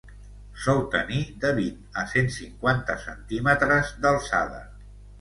sol tenir de vint a cent-cinquanta centímetres d'alçada